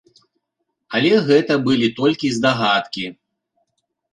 Але гэта былі толькі здагадкі.